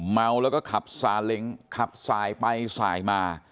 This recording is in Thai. เมาแล้วก็ขับซาเล้งขับสายไปสายมา